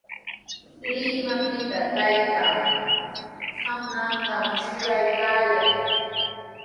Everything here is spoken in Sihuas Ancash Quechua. Limapita taytaa traamunantami shuyaykaayaa.